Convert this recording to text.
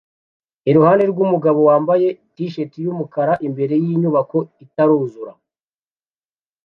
iruhande rwumugabo wambaye t-shati yumukara imbere yinyubako itaruzura